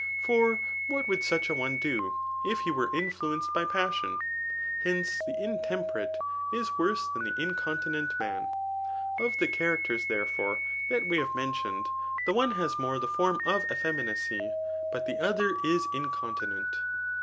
For what would such a one do, if he were influenced by passion ? Hence, the intemperate is worse than the incontinent man. Of the characters, therefore, that we have mentioned, the one has more the form of effeminacy, but the other is incontinent.